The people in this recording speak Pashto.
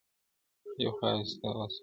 یو خوا وي ستا وصل او بل طرف روژه وي زما,